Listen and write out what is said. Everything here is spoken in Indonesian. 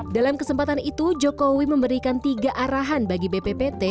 dalam kesempatan itu jokowi memberikan tiga arahan bagi bppt